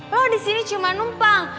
lo disini cuma numpang